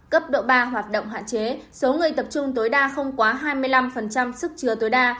cấp độ ba hoạt động hạn chế số người tập trung tối đa không quá hai mươi năm sức chứa tối đa